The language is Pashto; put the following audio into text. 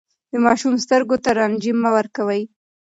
د ماشوم سترګو ته رنجې مه ورکوئ.